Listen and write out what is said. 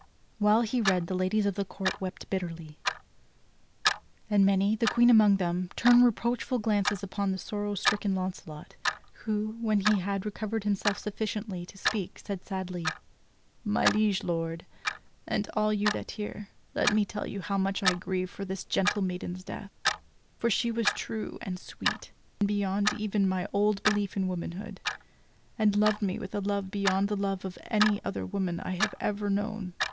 While he read the ladies of the court wept bitterly; and many, the Queen among them, turned reproachful glances upon the sorrow stricken Launcelot, who, when he had* recovered himself sufficiently to speak, said sadly; "My liege Lord, and all you that hear, let me tell you how much I grieve for this gentle maiden's death, for she was true and sweet beyond even my old belief in womanhood, and loved me with a love beyond the love of any other woman I have ever known.